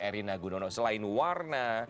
erina gunono selain warna